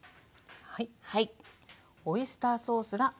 はい。